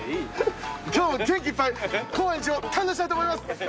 今日は元気いっぱい高円寺を堪能したいと思います！